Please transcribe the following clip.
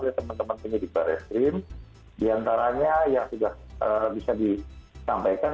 oleh teman teman penyidik barreslin diantaranya yang sudah bisa disampaikan